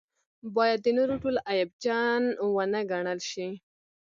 باید د نورو ټول عیبجن ونه ګڼل شي.